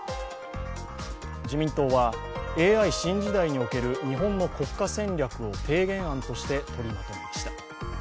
自民党は、ＡＩ新時代における日本の国家戦略を提言案としてとりまとめました。